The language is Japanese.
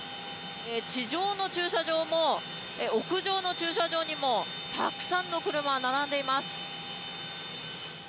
地上の駐車場も屋上の駐車場にもたくさんの車、並んでいます。